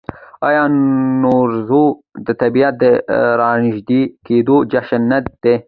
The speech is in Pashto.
آیا نوروز د طبیعت د راژوندي کیدو جشن نه دی؟